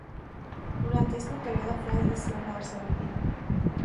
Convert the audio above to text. Durante este período Franz decidió mudarse a Berlín.